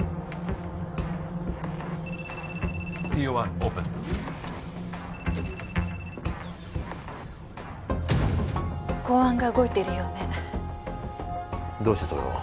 ＴＯ１オープン公安が動いているようねどうしてそれを？